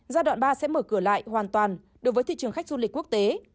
giai đoạn ba sẽ mở cửa lại hoàn toàn đối với thị trường khách du lịch quốc tế